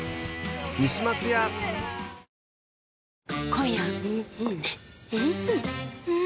今夜はん